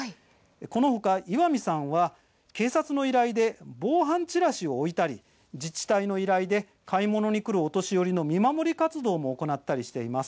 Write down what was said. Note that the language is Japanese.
このほか岩見さんは警察の依頼で防犯ちらしを置いたり自治体の依頼で買い物に来るお年寄りの見守り活動も行ったりしています。